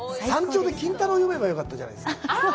山頂で「金太郎」読めばよかったじゃないですか。